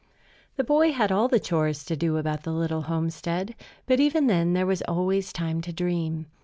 The boy had all the chores to do about the little homestead; but even then there was always time to dream.